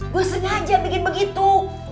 gua sengaja bikin begitu